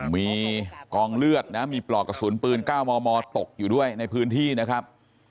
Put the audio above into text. มีกองเลือดนะมีปลอกกระสุนปืน๙มมตกอยู่ด้วยในพื้นที่นะครับ